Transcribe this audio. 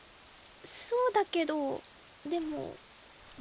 そうだけどでも。